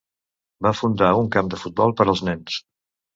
Va fundar un camp de futbol per als nens.